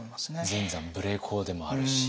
全山無礼講でもあるし。